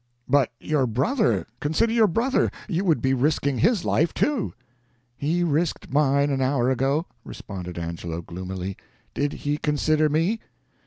"But your brother consider your brother; you would be risking his life, too." "He risked mine an hour ago," responded Angelo, gloomily; "did he consider me?"